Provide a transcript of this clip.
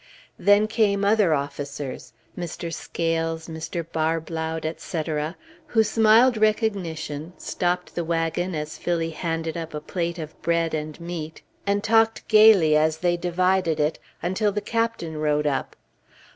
Then came other officers; Mr. Scales, Mr. Barblaud, etc., who smiled recognition, stopped the wagon as Phillie handed up a plate of bread and meat, and talked gayly as they divided it, until the Captain rode up.